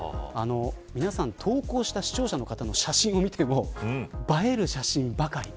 皆さん、投稿した方の写真を見ても映える写真ばかり。